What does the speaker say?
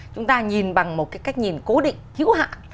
chúng ta nhìn bằng một cái cách nhìn cố định hữu hạng